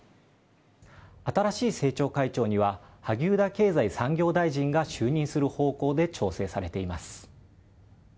新しい政調会長には萩生田経済産業大臣が就任する方向で調整されています。